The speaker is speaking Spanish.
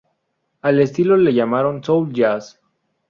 Al estilo le llamaron soul jazz.